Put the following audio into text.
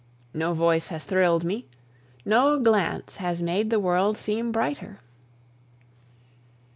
No voice has thrilled me, no glance has made the world seem brighter.